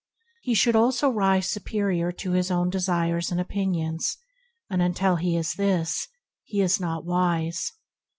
He should also rise superior to his own desires and opinions; and until he is this, he is not wise.